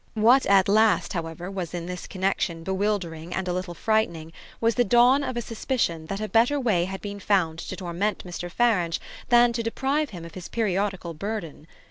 What at last, however, was in this connexion bewildering and a little frightening was the dawn of a suspicion that a better way had been found to torment Mr. Farange than to deprive him of his periodical burden.